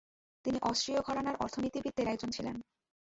তিনি অস্ট্রীয় ঘরানার অর্থনীতিবিদদের একজন ছিলেন।